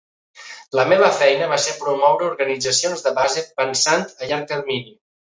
La meva feina va ser promoure organitzacions de base pensant a llarg termini.